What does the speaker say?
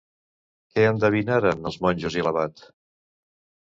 Què endevinaren els monjos i l'abat?